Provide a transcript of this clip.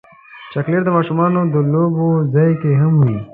چاکلېټ د ماشومانو د لوبو ځای کې هم وي.